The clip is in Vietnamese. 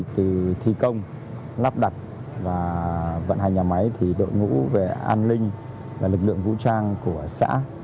từ thi công lắp đặt và vận hành nhà máy thì đội ngũ về an ninh lực lượng vũ trang của xã